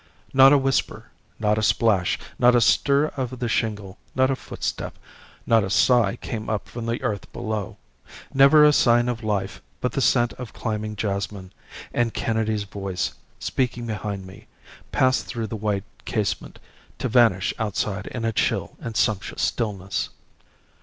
Not a whisper, not a splash, not a stir of the shingle, not a footstep, not a sigh came up from the earth below never a sign of life but the scent of climbing jasmine; and Kennedy's voice, speaking behind me, passed through the wide casement, to vanish outside in a chill and sumptuous stillness.